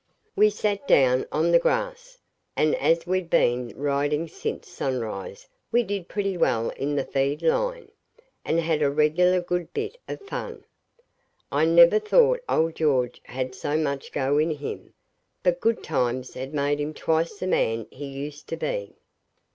We sat down on the grass, and as we'd been riding since sunrise we did pretty well in the feed line, and had a regular good bit of fun. I never thought old George had so much go in him; but good times had made him twice the man he used to be.